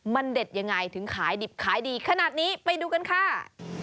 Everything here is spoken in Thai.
มันเด็ดยังไงถึงขายดิบขายดีขนาดนี้ไปดูกันค่ะ